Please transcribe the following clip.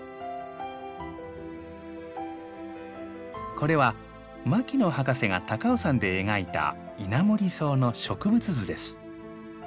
これは牧野博士が高尾山で描いたイナモリソウの植物図です。